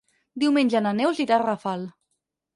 Diumenge na Neus irà a Rafal.